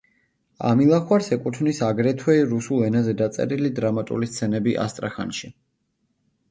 ამილახვარს ეკუთვნის აგრეთვე რუსულ ენაზე დაწერილი დრამატული სცენები „ასტრახანში“.